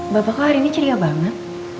bapak hari ini ceria banget